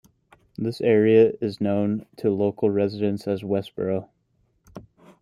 This area is known to local residents as Westborough.